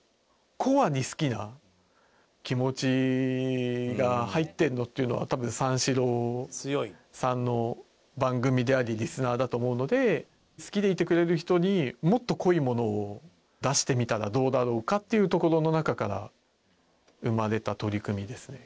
コアに好きな気持ちが入ってるのっていうのは多分三四郎さんの番組でありリスナーだと思うので好きでいてくれる人にもっと濃いものを出してみたらどうだろうかっていうところの中から生まれた取り組みですね。